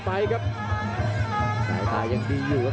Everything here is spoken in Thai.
พยายามจะไถ่หน้านี่ครับการต้องเตือนเลยครับ